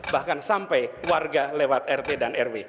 bahkan sampai warga lewat rt dan rw